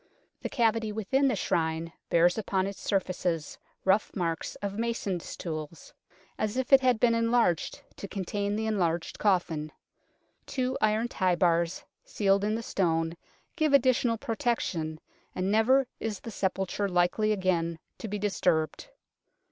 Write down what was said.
The cavity within the Shrine bears upon its surfaces rough marks of mason's tools, as if it had been enlarged to contain the enlarged coffin. Two iron tie bars, sealed in the stone, give additional pro tection, and never is the sepulture likely again to be disturbed.